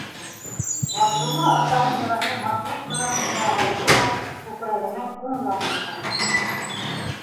Ғабдулла атаһы мираҫын һаҡлыҡ менән генә алды ла күкрәгенең уң яғына таҡты.